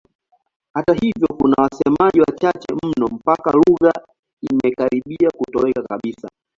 Hata hivyo kuna wasemaji wachache mno mpaka lugha imekaribia kutoweka kabisa.